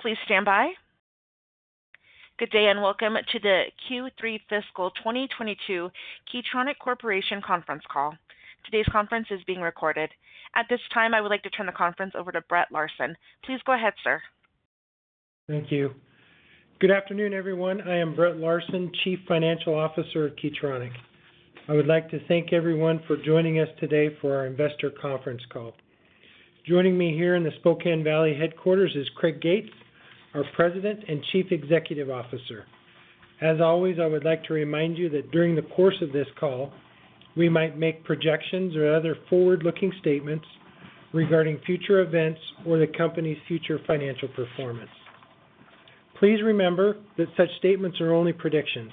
Please stand by. Good day, and welcome to the Q3 Fiscal 2022 Keytronic Corporation Conference Call. Today's conference is being recorded. At this time, I would like to turn the conference over to Brett Larsen. Please go ahead, sir. Thank you. Good afternoon, everyone. I am Brett Larsen, Chief Financial Officer of Keytronic. I would like to thank everyone for joining us today for our investor conference call. Joining me here in the Spokane Valley headquarters is Craig Gates, our President and Chief Executive Officer. As always, I would like to remind you that during the course of this call, we might make projections or other forward-looking statements regarding future events or the company's future financial performance. Please remember that such statements are only predictions.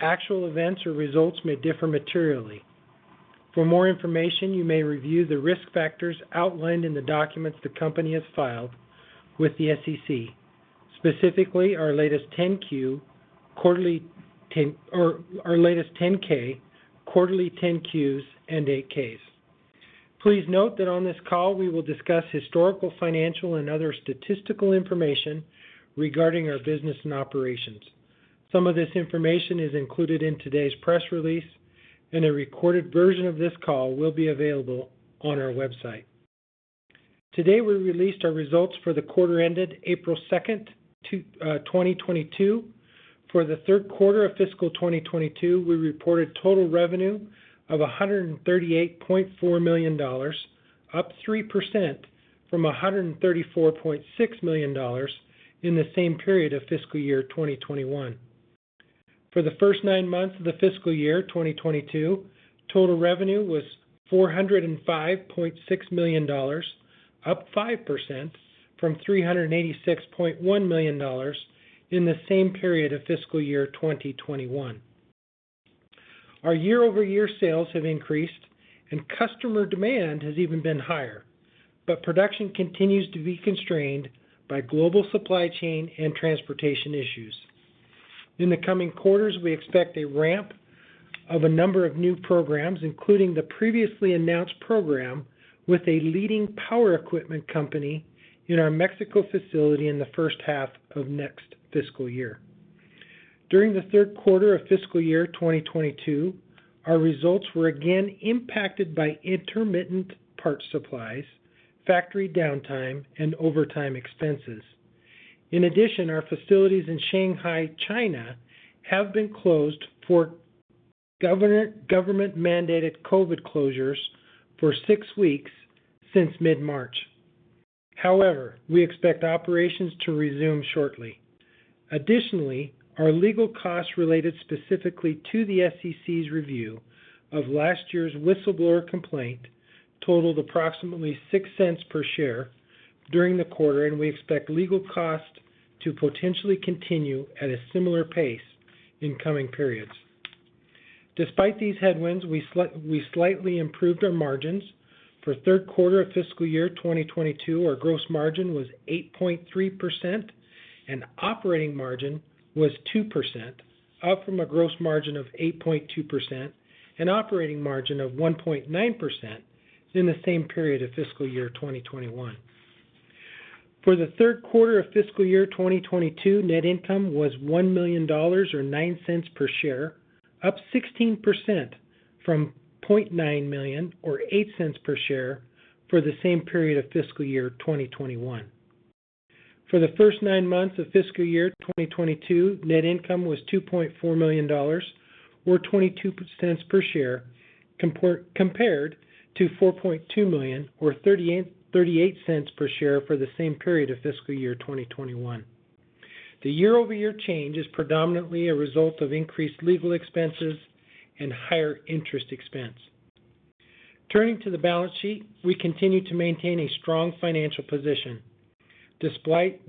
Actual events or results may differ materially. For more information, you may review the risk factors outlined in the documents the company has filed with the SEC, specifically our latest 10-Q or our latest 10-K, quarterly 10-Qs, and 8-Ks. Please note that on this call, we will discuss historical, financial, and other statistical information regarding our business and operations. Some of this information is included in today's press release, and a recorded version of this call will be available on our website. Today, we released our results for the quarter ended April 2nd, 2022. For the third quarter of fiscal 2022, we reported total revenue of $138.4 million, up 3% from $134.6 million in the same period of fiscal year 2021. For the first 9 months of the fiscal year 2022, total revenue was $405.6 million, up 5% from $386.1 million in the same period of fiscal year 2021. Our year-over-year sales have increased and customer demand has even been higher, but production continues to be constrained by global supply chain and transportation issues. In the coming quarters, we expect a ramp of a number of new programs, including the previously announced program with a leading power equipment company in our Mexico facility in the first half of next fiscal year. During the third quarter of fiscal year 2022, our results were again impacted by intermittent parts supplies, factory downtime, and overtime expenses. In addition, our facilities in Shanghai, China, have been closed for government-mandated COVID closures for six weeks since mid-March. However, we expect operations to resume shortly. Additionally, our legal costs related specifically to the SEC's review of last year's whistleblower complaint totaled approximately $0.06 per share during the quarter, and we expect legal costs to potentially continue at a similar pace in coming periods. Despite these headwinds, we slightly improved our margins. For third quarter of fiscal year 2022, our gross margin was 8.3% and operating margin was 2%, up from a gross margin of 8.2% and operating margin of 1.9% in the same period of fiscal year 2021. For the third quarter of fiscal year 2022, net income was $1 million or $0.09 per share, up 16% from $0.9 million or $0.08 per share for the same period of fiscal year 2021. For the first 9 months of fiscal year 2022, net income was $2.4 million or $0.22 per share, compared to $4.2 million or $0.38 per share for the same period of fiscal year 2021. The year-over-year change is predominantly a result of increased legal expenses and higher interest expense. Turning to the balance sheet, we continue to maintain a strong financial position. Despite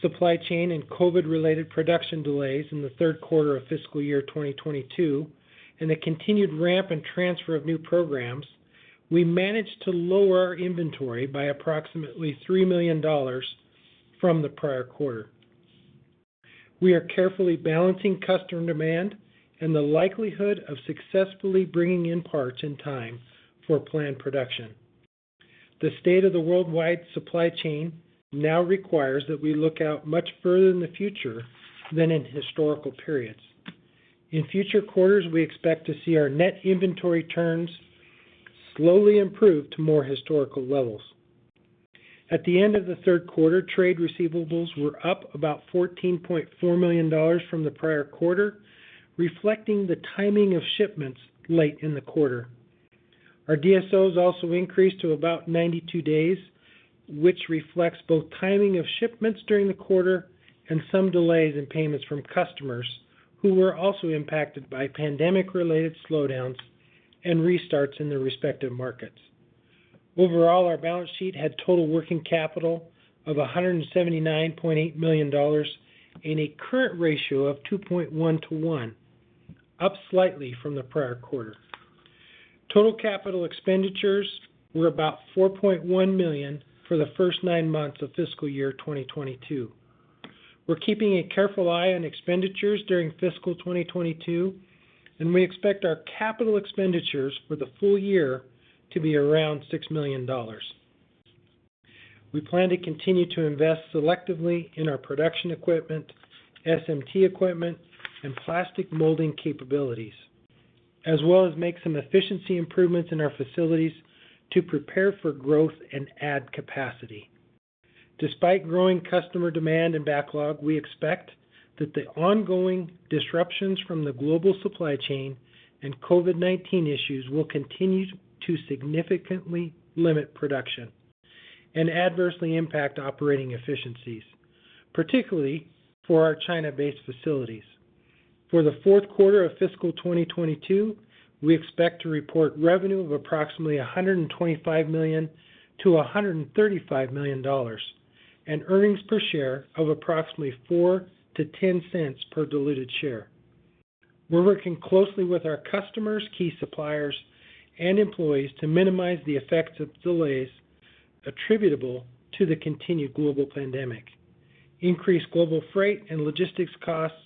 supply chain and COVID-related production delays in the third quarter of fiscal year 2022 and the continued ramp and transfer of new programs, we managed to lower our inventory by approximately $3 million from the prior quarter. We are carefully balancing customer demand and the likelihood of successfully bringing in parts in time for planned production. The state of the worldwide supply chain now requires that we look out much further in the future than in historical periods. In future quarters, we expect to see our net inventory turns slowly improve to more historical levels. At the end of the third quarter, trade receivables were up about $14.4 million from the prior quarter, reflecting the timing of shipments late in the quarter. Our DSOs also increased to about 92 days, which reflects both timing of shipments during the quarter and some delays in payments from customers who were also impacted by pandemic-related slowdowns and restarts in their respective markets. Overall, our balance sheet had total working capital of $179.8 million and a current ratio of 2.1 to 1, up slightly from the prior quarter. Total capital expenditures were about $4.1 million for the first nine months of fiscal year 2022. We're keeping a careful eye on expenditures during fiscal 2022, and we expect our capital expenditures for the full year to be around $6 million. We plan to continue to invest selectively in our production equipment, SMT equipment, and plastic molding capabilities, as well as make some efficiency improvements in our facilities to prepare for growth and add capacity. Despite growing customer demand and backlog, we expect that the ongoing disruptions from the global supply chain and COVID-19 issues will continue to significantly limit production and adversely impact operating efficiencies, particularly for our China-based facilities. For the fourth quarter of fiscal 2022, we expect to report revenue of approximately $125 million-$135 million and earnings per share of approximately $0.04-$0.10 per diluted share. We're working closely with our customers, key suppliers, and employees to minimize the effects of delays attributable to the continued global pandemic, increased global freight and logistics costs,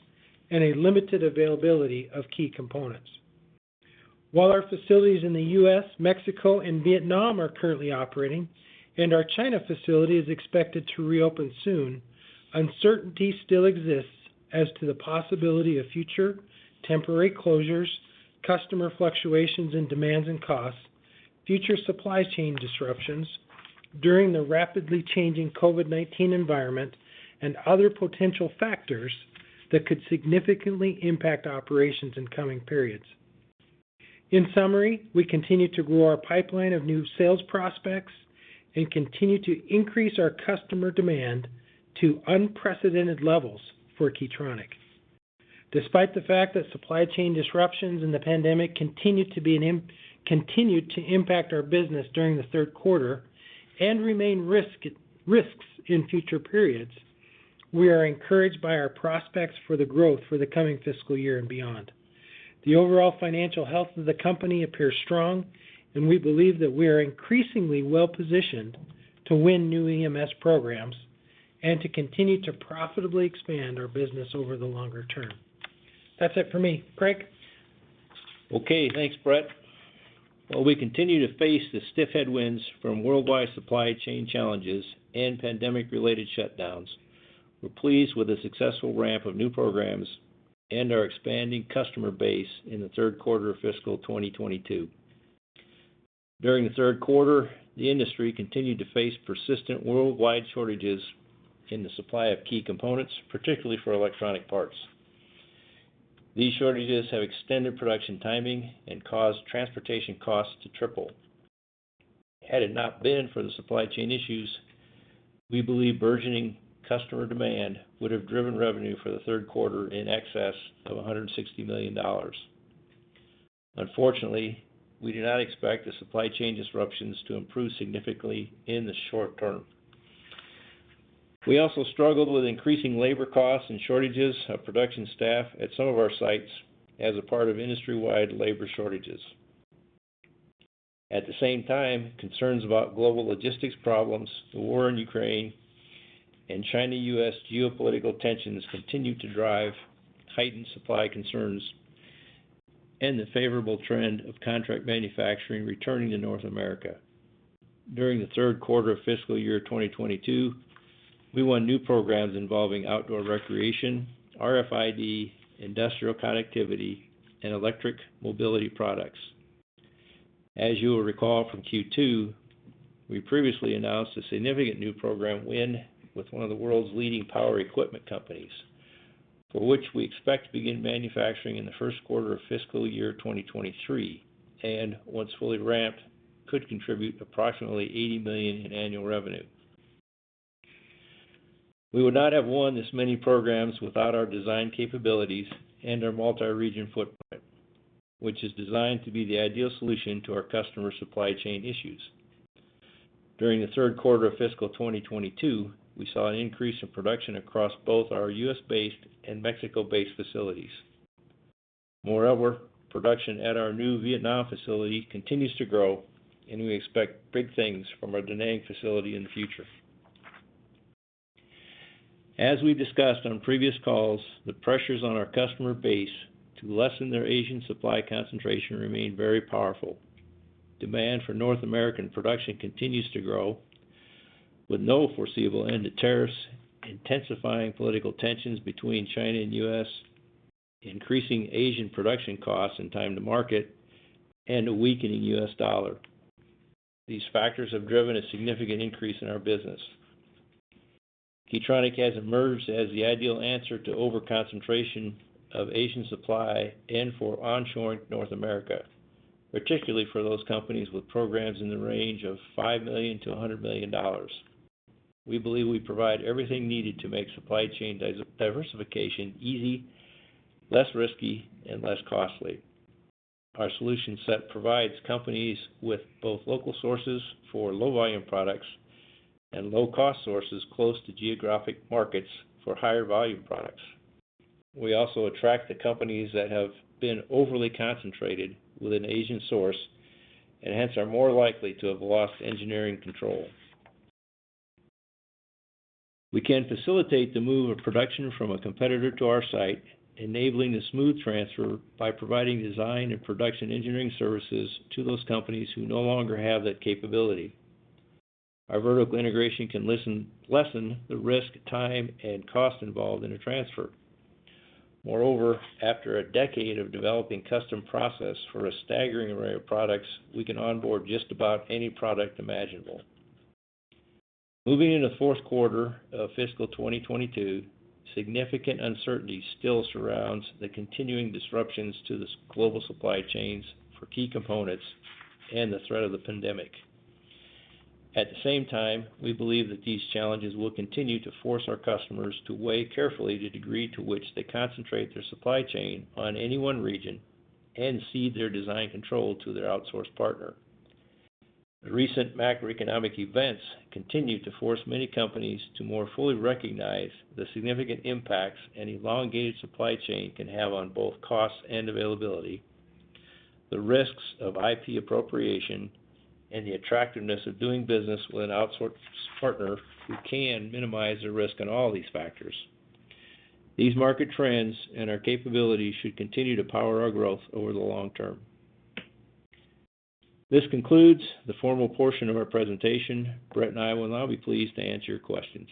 and a limited availability of key components. While our facilities in the U.S., Mexico, and Vietnam are currently operating, and our China facility is expected to reopen soon, uncertainty still exists as to the possibility of future temporary closures, customer fluctuations in demands and costs, future supply chain disruptions during the rapidly changing COVID-19 environment, and other potential factors that could significantly impact operations in coming periods. In summary, we continue to grow our pipeline of new sales prospects and continue to increase our customer demand to unprecedented levels for Keytronic. Despite the fact that supply chain disruptions and the pandemic continued to impact our business during the third quarter and remain risks in future periods, we are encouraged by our prospects for the growth for the coming fiscal year and beyond. The overall financial health of the company appears strong, and we believe that we are increasingly well-positioned to win new EMS programs and to continue to profitably expand our business over the longer term. That's it for me. Craig? Okay, thanks, Brett. While we continue to face the stiff headwinds from worldwide supply chain challenges and pandemic-related shutdowns, we're pleased with the successful ramp of new programs and our expanding customer base in the third quarter of fiscal 2022. During the third quarter, the industry continued to face persistent worldwide shortages in the supply of key components, particularly for electronic parts. These shortages have extended production timing and caused transportation costs to triple. Had it not been for the supply chain issues, we believe burgeoning customer demand would have driven revenue for the third quarter in excess of $160 million. Unfortunately, we do not expect the supply chain disruptions to improve significantly in the short term. We also struggled with increasing labor costs and shortages of production staff at some of our sites as a part of industry-wide labor shortages. At the same time, concerns about global logistics problems, the war in Ukraine, and China-U.S. geopolitical tensions continue to drive heightened supply concerns and the favorable trend of contract manufacturing returning to North America. During the third quarter of fiscal year 2022, we won new programs involving outdoor recreation, RFID, industrial connectivity, and electric mobility products. As you will recall from Q2, we previously announced a significant new program win with one of the world's leading power equipment companies, for which we expect to begin manufacturing in the first quarter of fiscal year 2023, and once fully ramped, could contribute approximately $80 million in annual revenue. We would not have won this many programs without our design capabilities and our multi-region footprint, which is designed to be the ideal solution to our customer supply chain issues. During the third quarter of fiscal 2022, we saw an increase in production across both our U.S.-based and Mexico-based facilities. Moreover, production at our new Vietnam facility continues to grow, and we expect big things from our Da Nang facility in the future. As we discussed on previous calls, the pressures on our customer base to lessen their Asian supply concentration remain very powerful. Demand for North American production continues to grow, with no foreseeable end to tariffs, intensifying political tensions between China and U.S., increasing Asian production costs and time to market, and a weakening U.S. dollar. These factors have driven a significant increase in our business. Keytronic has emerged as the ideal answer to over-concentration of Asian supply and for onshoring North America, particularly for those companies with programs in the range of $5 million-$100 million. We believe we provide everything needed to make supply chain diversification easy, less risky, and less costly. Our solution set provides companies with both local sources for low-volume products and low-cost sources close to geographic markets for higher-volume products. We also attract the companies that have been overly concentrated with an Asian source, and hence are more likely to have lost engineering control. We can facilitate the move of production from a competitor to our site, enabling a smooth transfer by providing design and production engineering services to those companies who no longer have that capability. Our vertical integration can lessen the risk, time, and cost involved in a transfer. Moreover, after a decade of developing custom process for a staggering array of products, we can onboard just about any product imaginable. Moving into the fourth quarter of fiscal 2022, significant uncertainty still surrounds the continuing disruptions to the global supply chains for key components and the threat of the pandemic. At the same time, we believe that these challenges will continue to force our customers to weigh carefully the degree to which they concentrate their supply chain on any one region and cede their design control to their outsource partner. The recent macroeconomic events continue to force many companies to more fully recognize the significant impacts an elongated supply chain can have on both cost and availability, the risks of IP appropriation, and the attractiveness of doing business with an outsource partner who can minimize the risk on all these factors. These market trends and our capabilities should continue to power our growth over the long term. This concludes the formal portion of our presentation. Brett and I will now be pleased to answer your questions.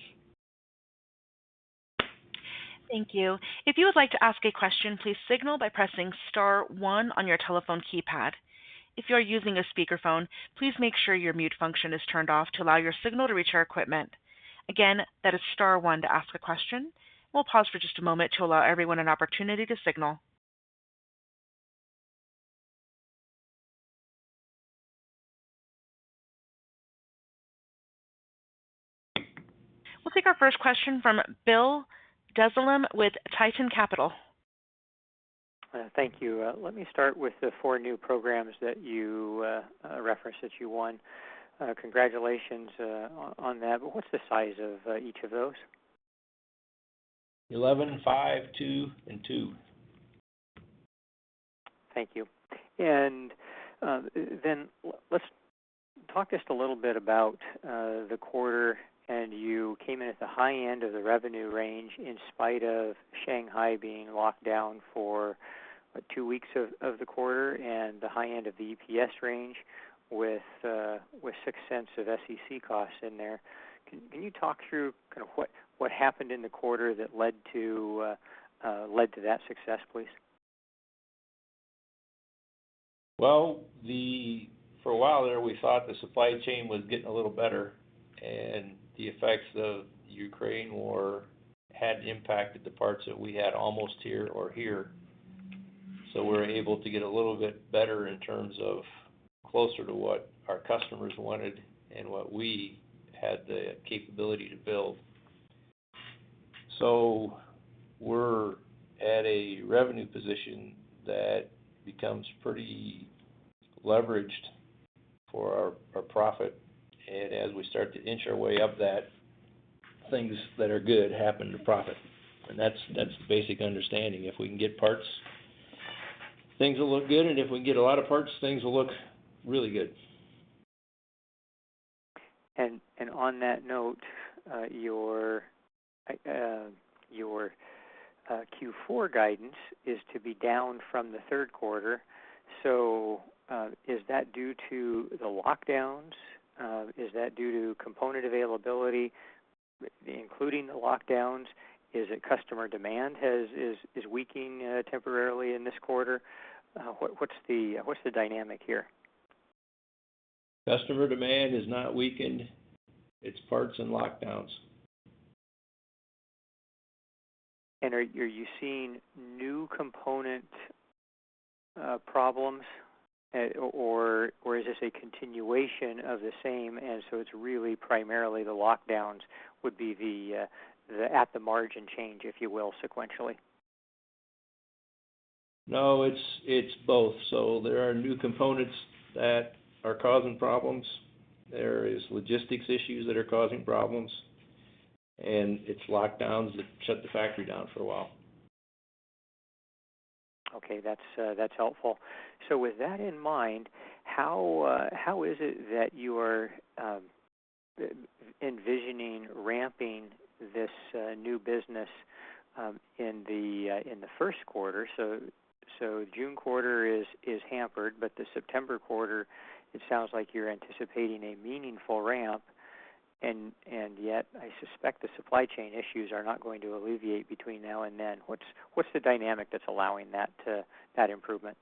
Thank you. If you would like to ask a question, please signal by pressing star one on your telephone keypad. If you are using a speakerphone, please make sure your mute function is turned off to allow your signal to reach our equipment. Again, that is star one to ask a question. We'll pause for just a moment to allow everyone an opportunity to signal. We'll take our first question from Bill Dezellem with Tieton Capital. Thank you. Let me start with the four new programs that you referenced that you won. Congratulations on that. What's the size of each of those? 11, five, two, and two. Thank you. Let's talk just a little bit about the quarter. You came in at the high end of the revenue range in spite of Shanghai being locked down for two weeks of the quarter and the high end of the EPS range with $0.06 of SEC costs in there. Can you talk through kind of what happened in the quarter that led to that success, please? Well, for a while there, we thought the supply chain was getting a little better, and the effects of the Ukraine war had impacted the parts that we had almost here or there. We were able to get a little bit better in terms of closer to what our customers wanted and what we had the capability to build. We're at a revenue position that becomes pretty leveraged for our profit. As we start to inch our way up that, things that are good happen to profit. That's the basic understanding. If we can get parts, things will look good, and if we can get a lot of parts, things will look really good. On that note, your Q4 guidance is to be down from the third quarter. Is that due to the lockdowns? Is that due to component availability, including the lockdowns? Is it customer demand is weakening temporarily in this quarter? What's the dynamic here? Customer demand has not weakened. It's parts and lockdowns. Are you seeing new component problems? Or is this a continuation of the same, and so it's really primarily the lockdowns would be the at the margin change, if you will, sequentially? No, it's both. There are new components that are causing problems. There is logistics issues that are causing problems, and it's lockdowns that shut the factory down for a while. Okay. That's helpful. With that in mind, how is it that you're envisioning ramping this new business in the first quarter? June quarter is hampered, but the September quarter, it sounds like you're anticipating a meaningful ramp, and yet I suspect the supply chain issues are not going to alleviate between now and then. What's the dynamic that's allowing that improvement?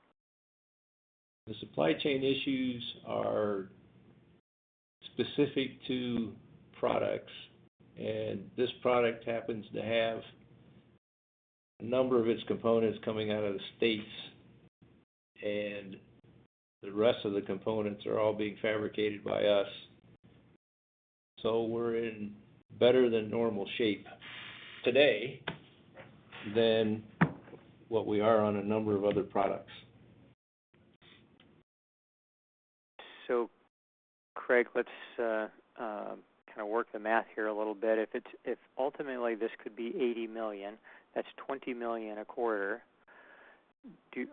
The supply chain issues are specific to products, and this product happens to have a number of its components coming out of the States, and the rest of the components are all being fabricated by us. We're in better than normal shape today than what we are on a number of other products. Craig, let's kind of work the math here a little bit. If ultimately this could be $80 million, that's $20 million a quarter.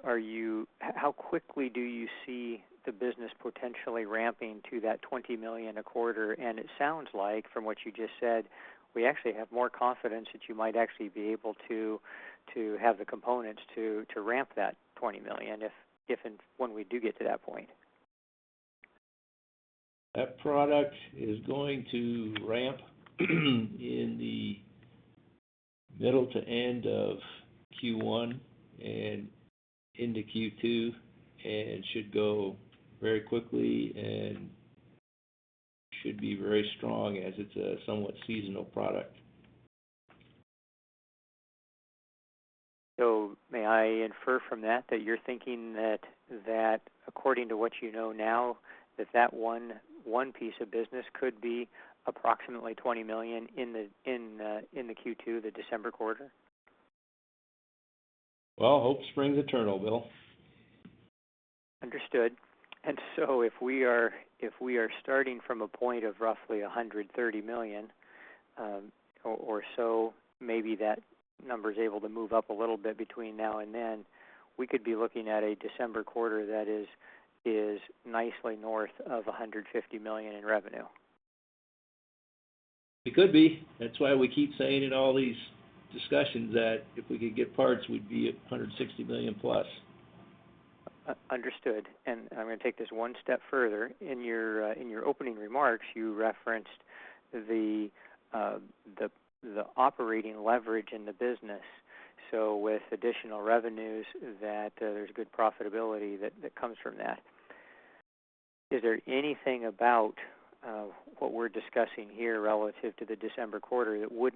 How quickly do you see the business potentially ramping to that $20 million a quarter? It sounds like from what you just said, we actually have more confidence that you might actually be able to have the components to ramp that $20 million if and when we do get to that point. That product is going to ramp in the middle to end of Q1 and into Q2, and should go very quickly and should be very strong as it's a somewhat seasonal product. May I infer from that that you're thinking that according to what you know now that one piece of business could be approximately $20 million in the Q2, the December quarter? Well, hope springs eternal, Bill. Understood. If we are starting from a point of roughly $130 million, or so, maybe that number is able to move up a little bit between now and then, we could be looking at a December quarter that is nicely north of $150 million in revenue. It could be. That's why we keep saying in all these discussions that if we could get parts, we'd be at $160 million+. Understood. I'm gonna take this one step further. In your opening remarks, you referenced the operating leverage in the business. With additional revenues, that there's good profitability that comes from that. Is there anything about what we're discussing here relative to the December quarter that would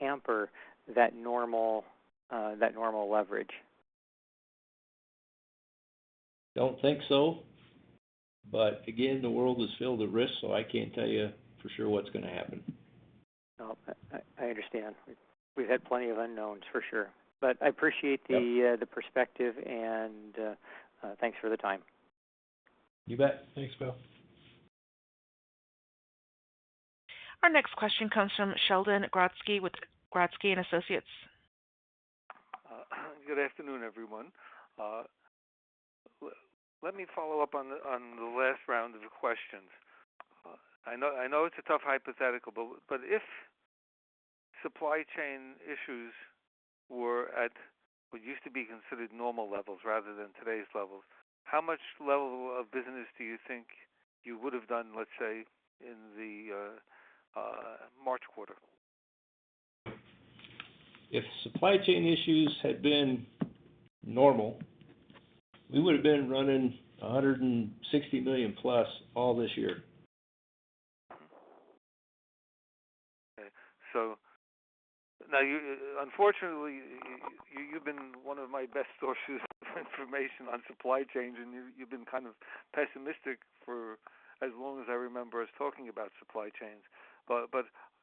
hamper that normal leverage? Don't think so. Again, the world is filled with risk, so I can't tell you for sure what's gonna happen. No, I understand. We've had plenty of unknowns for sure, but I appreciate the perspective and thanks for the time. You bet. Thanks, Bill. Our next question comes from Sheldon Grodsky with Grodsky Associates. Good afternoon, everyone. Let me follow up on the last round of the questions. I know it's a tough hypothetical, but if supply chain issues were at what used to be considered normal levels rather than today's levels, how much level of business do you think you would have done, let's say, in the March quarter? If supply chain issues had been normal, we would have been running $160 million+ all this year. Unfortunately, you've been one of my best sources of information on supply chains, and you've been kind of pessimistic for as long as I remember us talking about supply chains.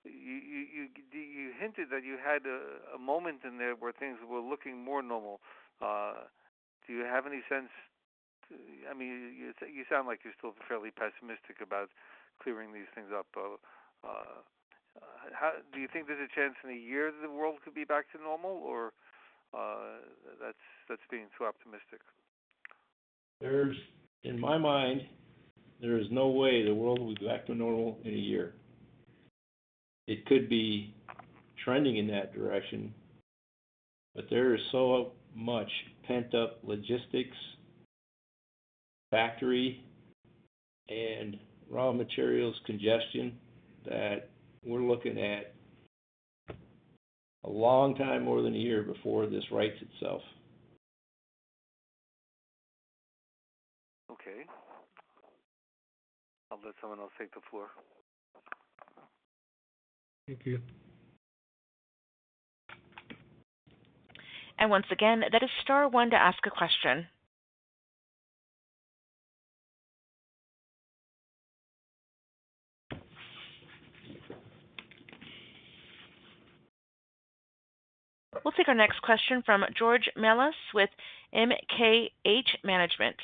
You hinted that you had a moment in there where things were looking more normal. Do you have any sense? I mean, you sound like you're still fairly pessimistic about clearing these things up. Do you think there's a chance in a year the world could be back to normal or that's being too optimistic? In my mind, there is no way the world will be back to normal in a year. It could be trending in that direction, but there is so much pent-up logistics, factory, and raw materials congestion that we're looking at a long time, more than a year, before this rights itself. Okay. I'll let someone else take the floor. Thank you. Once again, that is star one to ask a question. We'll take our next question from George Melas-Kyriazi with MKH Management.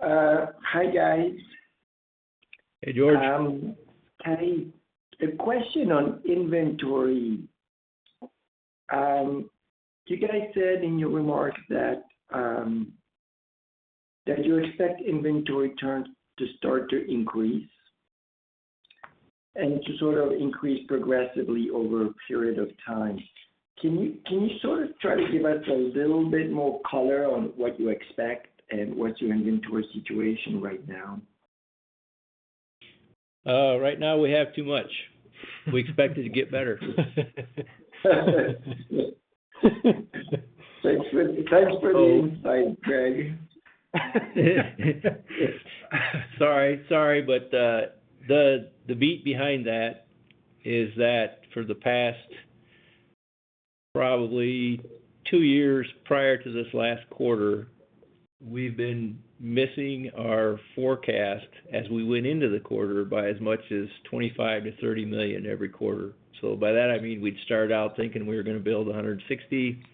Hi, guys. Hey, George. I have a question on inventory. You guys said in your remarks that you expect inventory turn to start to increase and to sort of increase progressively over a period of time. Can you sort of try to give us a little bit more color on what you expect and what's your inventory situation right now? Right now we have too much. We expect it to get better. Thanks for the insight, Craig. Sorry. The beat behind that is that for the past, probably two years prior to this last quarter, we've been missing our forecast as we went into the quarter by as much as $25 million-$30 million every quarter. By that I mean, we'd start out thinking we were gonna build $160 million,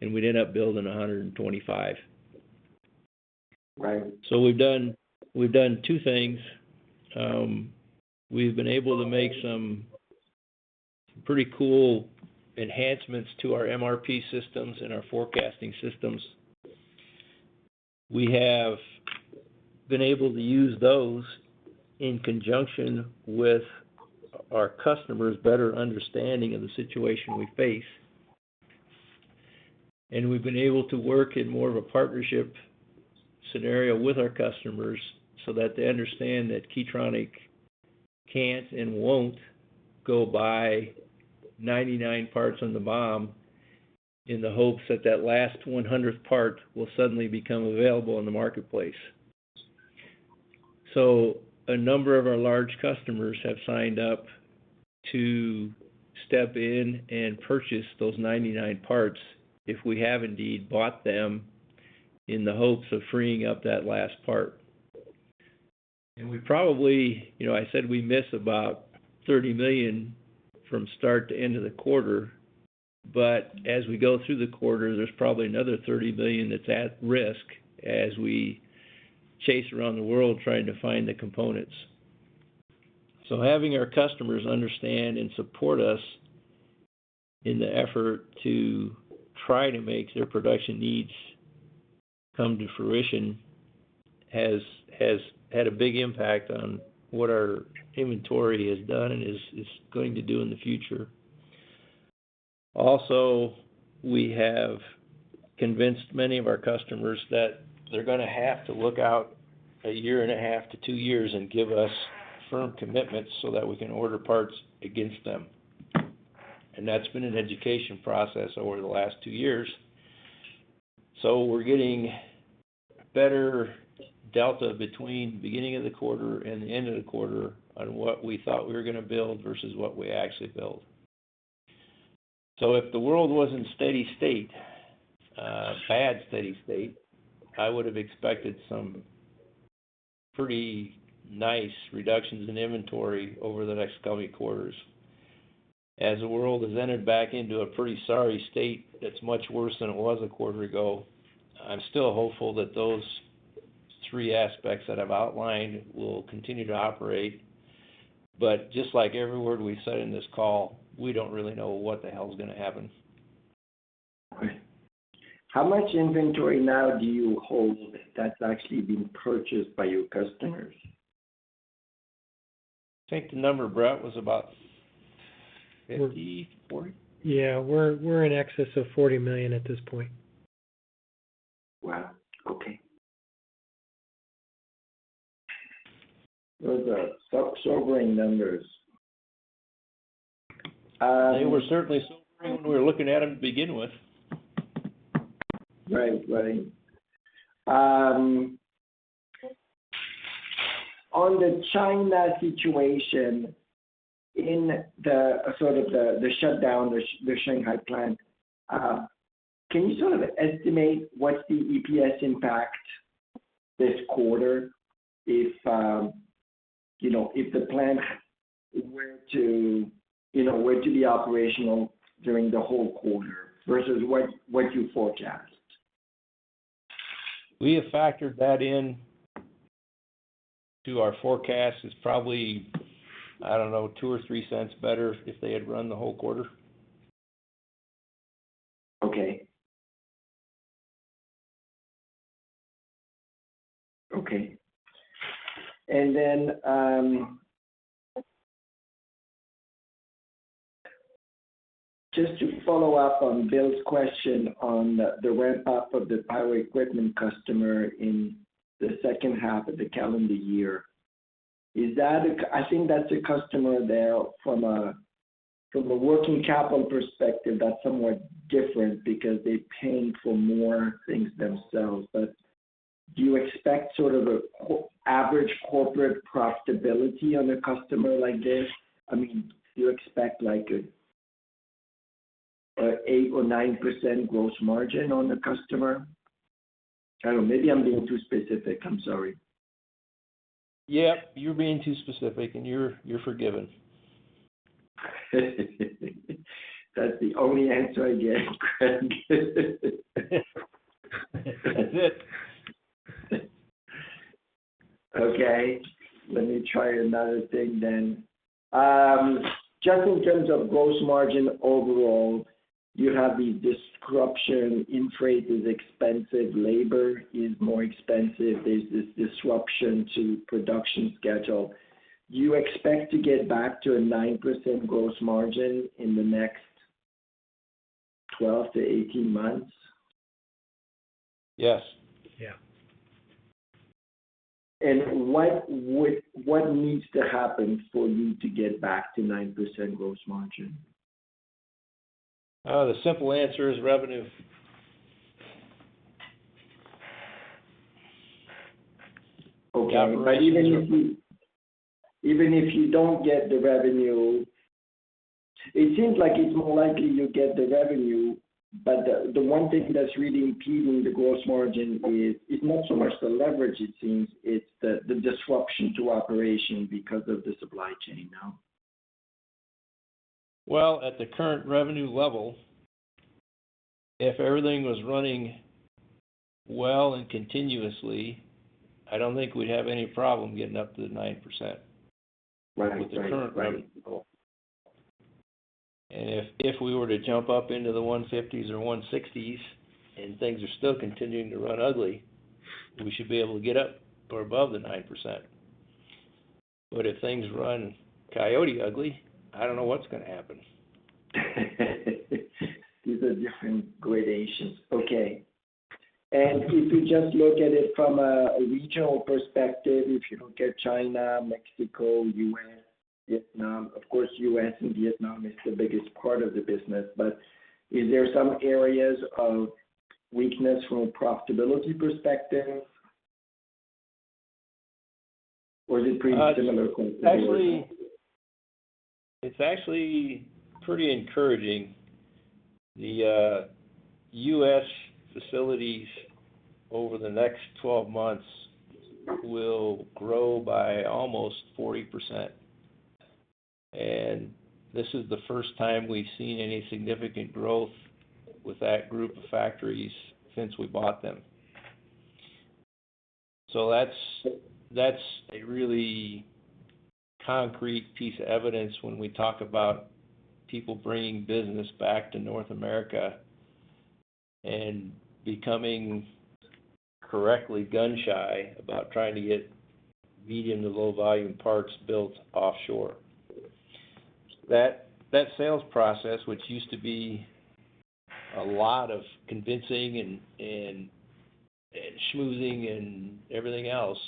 and we'd end up building $125 million. Right. We've done two things. We've been able to make some pretty cool enhancements to our MRP systems and our forecasting systems. We have been able to use those in conjunction with our customers' better understanding of the situation we face. We've been able to work in more of a partnership scenario with our customers so that they understand that Keytronic can't and won't go buy 99 parts on the BOM in the hopes that that last 100th part will suddenly become available in the marketplace. A number of our large customers have signed up to step in and purchase those 99 parts if we have indeed bought them in the hopes of freeing up that last part. We probably, you know, I said we miss about $30 million from start to end of the quarter, but as we go through the quarter, there's probably another $30 million that's at risk as we chase around the world trying to find the components. Having our customers understand and support us in the effort to try to make their production needs come to fruition has had a big impact on what our inventory has done and is going to do in the future. Also, we have convinced many of our customers that they're gonna have to look out 1.5 to two years and give us firm commitments so that we can order parts against them. That's been an education process over the last two years. We're getting better delta between beginning of the quarter and the end of the quarter on what we thought we were gonna build versus what we actually built. If the world was in steady state, bad steady state, I would have expected some pretty nice reductions in inventory over the next coming quarters. As the world has entered back into a pretty sorry state that's much worse than it was a quarter ago, I'm still hopeful that those three aspects that I've outlined will continue to operate. Just like every word we said in this call, we don't really know what the hell is gonna happen. Okay. How much inventory now do you hold that's actually been purchased by your customers? I think the number, Brett, was about 50, 40. Yeah. We're in excess of $40 million at this point. Wow. Okay. Those are so sobering numbers. They were certainly sobering when we were looking at them to begin with. Right. On the China situation, the shutdown, the Shanghai plant, can you sort of estimate what's the EPS impact this quarter if the plant were to, you know, be operational during the whole quarter versus what you forecast? We have factored that in to our forecast. It's probably, I don't know, $0.02 or $0.03 better if they had run the whole quarter. Just to follow up on Bill's question on the ramp up of the power equipment customer in the second half of the calendar year. I think that's a customer there from a working capital perspective that's somewhat different because they're paying for more things themselves, but do you expect sort of average corporate profitability on a customer like this? I mean, do you expect like a 8% or 9% gross margin on the customer? I don't know. Maybe I'm being too specific. I'm sorry. Yeah. You're being too specific, and you're forgiven. That's the only answer I get, Craig. Okay, let me try another thing then. Just in terms of gross margin overall, you have the disruption in freight is expensive, labor is more expensive. There's this disruption to production schedule. Do you expect to get back to a 9% gross margin in the next 12-18 months? Yes. Yeah. What needs to happen for you to get back to 9% gross margin? The simple answer is revenue. Okay. Even if you Even if you don't get the revenue. It seems like it's more likely you'll get the revenue, but the one thing that's really impeding the gross margin is it's not so much the leverage it seems, it's the disruption to operation because of the supply chain now. Well, at the current revenue level, if everything was running well and continuously, I don't think we'd have any problem getting up to the 9%. Right. With the current revenue level. If we were to jump up into the 150s or 160s, and things are still continuing to run ugly, we should be able to get up or above the 9%. If things run coyote ugly, I don't know what's gonna happen. These are different gradations. Okay. If you just look at it from a regional perspective, if you look at China, Mexico, U.S., Vietnam, of course, U.S. and Vietnam is the biggest part of the business. But is there some areas of weakness from a profitability perspective? Or is it pretty similar compared to? Actually, it's actually pretty encouraging. The U.S. facilities over the next 12 months will grow by almost 40%. This is the first time we've seen any significant growth with that group of factories since we bought them. That's a really concrete piece of evidence when we talk about people bringing business back to North America and becoming correctly gun-shy about trying to get medium to low volume parts built offshore. That sales process, which used to be a lot of convincing and schmoozing and everything else,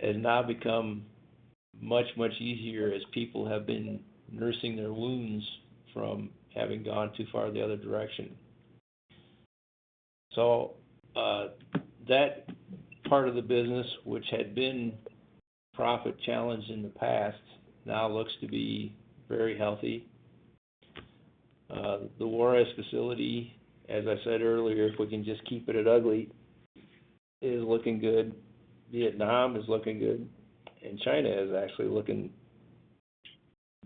has now become much, much easier as people have been nursing their wounds from having gone too far the other direction. That part of the business, which had been profit-challenged in the past, now looks to be very healthy. The Juarez facility, as I said earlier, if we can just keep it at ugly, is looking good. Vietnam is looking good. China is actually looking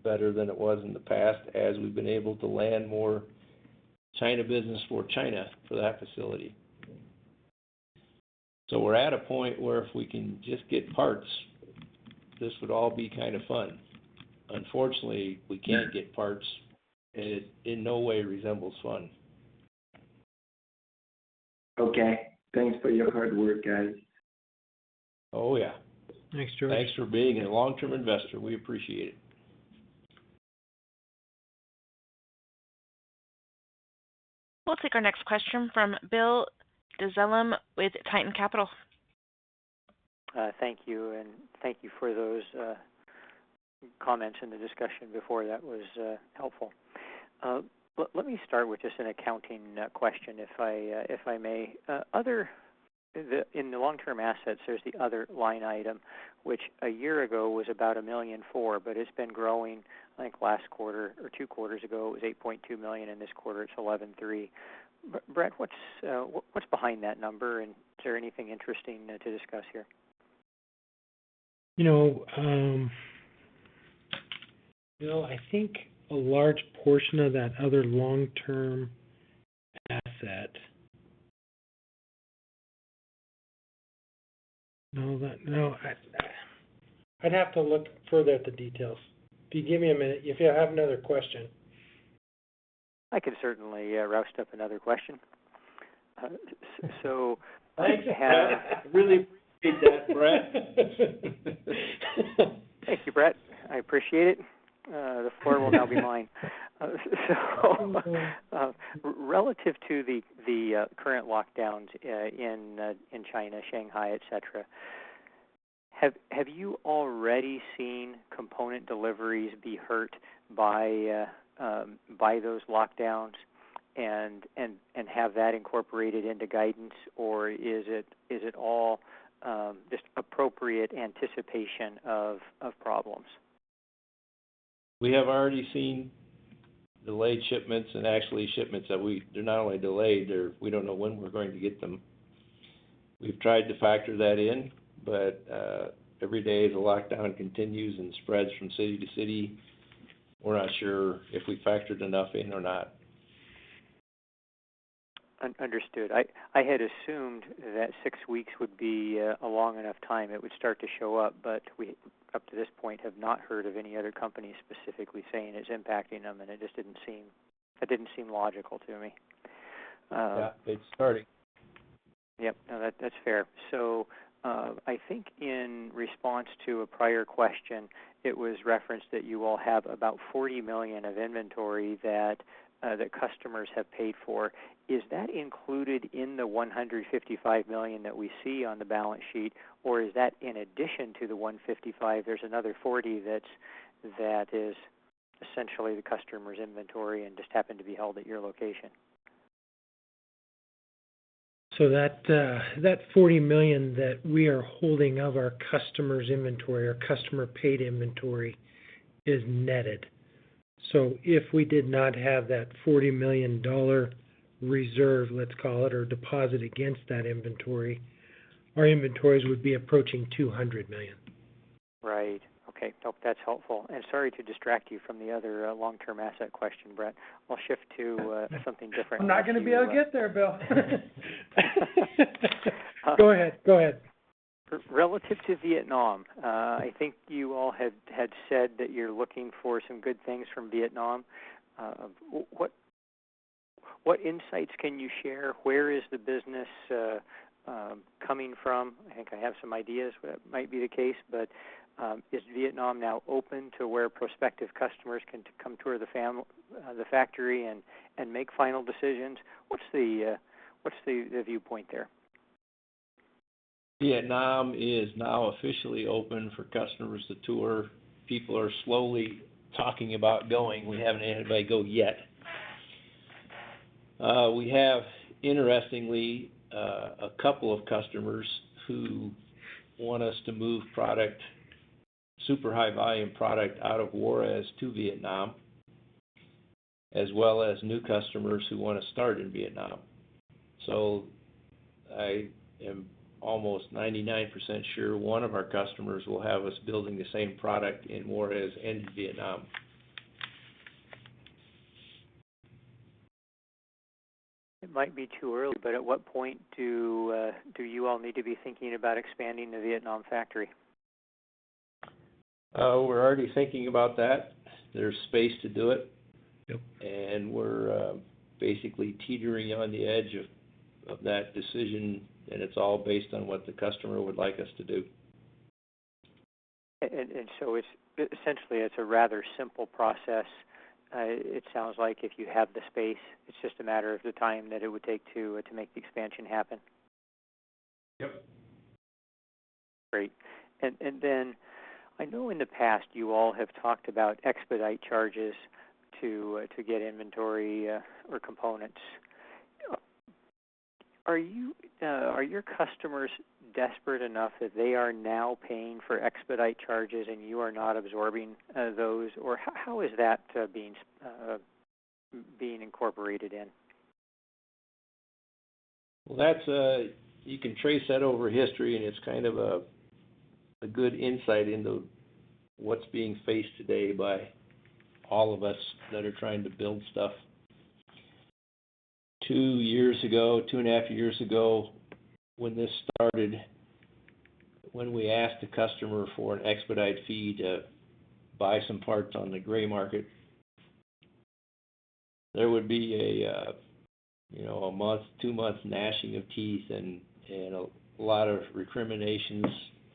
better than it was in the past as we've been able to land more China business for China for that facility. We're at a point where if we can just get parts, this would all be kind of fun. Unfortunately, we can't get parts. It in no way resembles fun. Okay. Thanks for your hard work, guys. Oh, yeah. Thanks, George. Thanks for being a long-term investor. We appreciate it. We'll take our next question from Bill Dezellem with Tieton Capital. Thank you, and thank you for those comments in the discussion before. That was helpful. Let me start with just an accounting question, if I may. In the long-term assets, there's the other line item, which a year ago was about $1.4 million, but it's been growing. I think last quarter or two quarters ago, it was $8.2 million. In this quarter, it's $11.3 million. Brett, what's behind that number? And is there anything interesting to discuss here? You know, Bill, I think a large portion of that other long-term asset. No, I'd have to look further at the details. If you give me a minute, if you have another question. I can certainly rustle up another question. Thanks for that. I really appreciate that, Brett. Thank you, Brett. I appreciate it. The floor will now be mine. Relative to the current lockdowns in China, Shanghai, et cetera, have you already seen component deliveries be hurt by those lockdowns and have that incorporated into guidance? Or is it all just appropriate anticipation of problems? We have already seen delayed shipments and actually shipments that they're not only delayed, we don't know when we're going to get them. We've tried to factor that in, but every day the lockdown continues and spreads from city to city. We're not sure if we factored enough in or not. Understood. I had assumed that six weeks would be a long enough time it would start to show up, but we, up to this point, have not heard of any other company specifically saying it's impacting them, and it just didn't seem logical to me. Yeah, it's starting. Yep. No, that's fair. I think in response to a prior question, it was referenced that you all have about $40 million of inventory that customers have paid for. Is that included in the $155 million that we see on the balance sheet? Or is that in addition to the $155 million, there's another $40 million that is essentially the customer's inventory and just happened to be held at your location? That $40 million that we are holding of our customers' inventory or customer-paid inventory is netted. If we did not have that $40 million dollar reserve, let's call it, or deposit against that inventory, our inventories would be approaching $200 million. Right. Okay. Hope that's helpful. Sorry to distract you from the other, long-term asset question, Brett. I'll shift to something different now. I'm not gonna be able to get there, Bill. Go ahead. Go ahead. Relative to Vietnam, I think you all had said that you're looking for some good things from Vietnam. What insights can you share? Where is the business coming from? I think I have some ideas what might be the case, but is Vietnam now open to where prospective customers can come tour the factory and make final decisions? What's the viewpoint there? Vietnam is now officially open for customers to tour. People are slowly talking about going. We haven't had anybody go yet. We have, interestingly, a couple of customers who want us to move product, super high volume product out of Juárez to Vietnam, as well as new customers who wanna start in Vietnam. I am almost 99% sure one of our customers will have us building the same product in Juárez and Vietnam. It might be too early, but at what point do you all need to be thinking about expanding the Vietnam factory? We're already thinking about that. There's space to do it. Yep. We're basically teetering on the edge of that decision, and it's all based on what the customer would like us to do. It's essentially, it's a rather simple process. It sounds like if you have the space, it's just a matter of the time that it would take to make the expansion happen. Yep. Great. Then I know in the past you all have talked about expedite charges to get inventory or components. Are your customers desperate enough that they are now paying for expedite charges and you are not absorbing those? Or how is that being incorporated in? Well, that's you can trace that over history, and it's kind of a good insight into what's being faced today by all of us that are trying to build stuff. two years ago, two and half years ago, when this started, when we asked the customer for an expedite fee to buy some parts on the gray market, there would be a you know, a month, two months gnashing of teeth and a lot of recriminations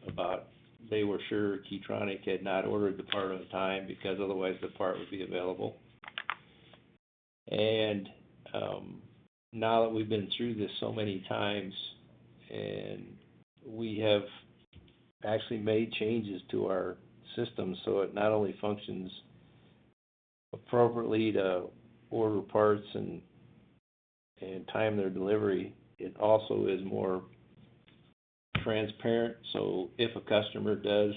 about they were sure Keytronic had not ordered the part on time because otherwise the part would be available. Now that we've been through this so many times and we have actually made changes to our system so it not only functions appropriately to order parts and time their delivery, it also is more transparent. If a customer does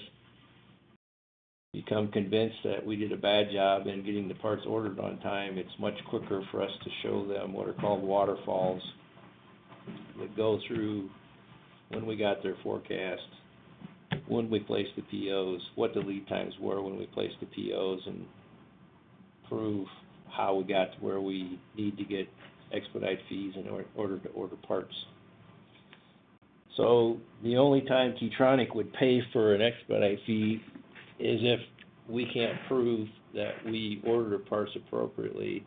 become convinced that we did a bad job in getting the parts ordered on time, it's much quicker for us to show them what are called waterfalls that go through when we got their forecast, when we placed the POs, what the lead times were when we placed the POs, and prove how we got to where we need to get expedite fees in order to order parts. The only time Keytronic would pay for an expedite fee is if we can't prove that we order parts appropriately.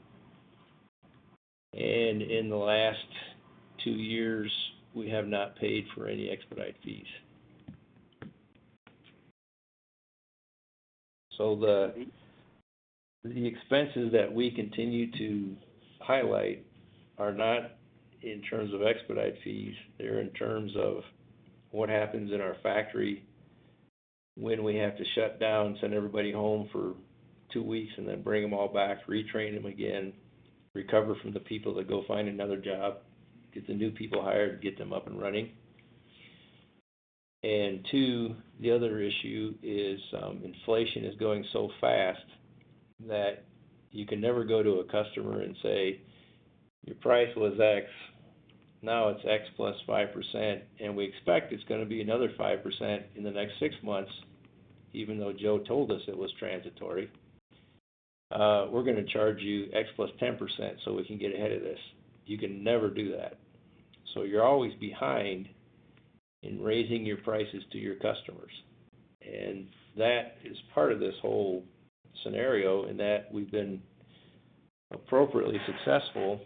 In the last two years, we have not paid for any expedite fees. The expenses that we continue to highlight are not in terms of expedite fees. They're in terms of what happens in our factory when we have to shut down, send everybody home for two weeks, and then bring them all back, retrain them again, recover from the people that go find another job, get the new people hired, get them up and running. Two, the other issue is, inflation is going so fast that you can never go to a customer and say, "Your price was X. Now it's X plus 5%, and we expect it's gonna be another 5% in the next six months, even though Joe told us it was transitory. We're gonna charge you X plus 10% so we can get ahead of this." You can never do that. You're always behind in raising your prices to your customers. That is part of this whole scenario in that we've been appropriately successful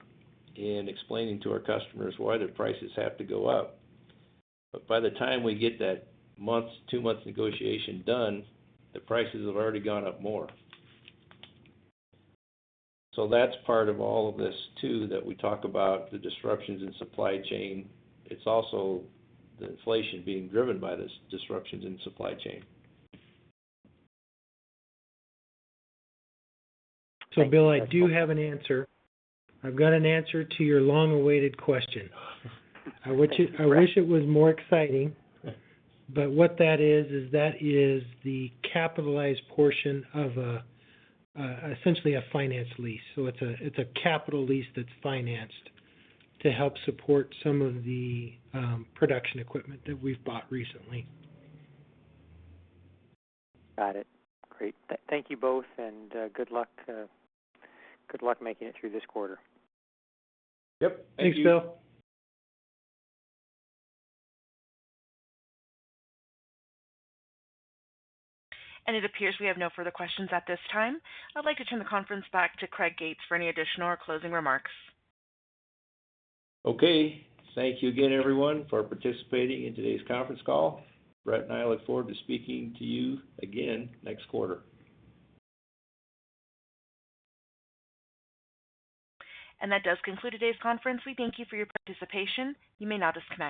in explaining to our customers why their prices have to go up. By the time we get that one-month, two-month negotiation done, the prices have already gone up more. That's part of all of this too, that we talk about the disruptions in supply chain. It's also the inflation being driven by these disruptions in supply chain. Bill, I do have an answer. I've got an answer to your long-awaited question. I wish it was more exciting, but what that is is the capitalized portion of essentially a finance lease. It's a capital lease that's financed to help support some of the production equipment that we've bought recently. Got it. Great. Thank you both and good luck making it through this quarter. Yep. Thank you. Thanks, Bill. It appears we have no further questions at this time. I'd like to turn the conference back to Craig Gates for any additional or closing remarks. Okay. Thank you again everyone for participating in today's conference call. Brett and I look forward to speaking to you again next quarter. That does conclude today's conference. We thank you for your participation. You may now disconnect.